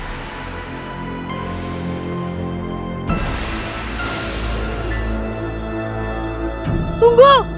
malam ini kali ini kami telah semangat